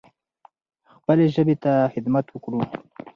خپلې ژبې ته خدمت وکړو.